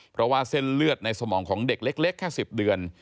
เพราะว่าเส้นเลือดในสมองของเด็กเล็กแค่๑๐เดือน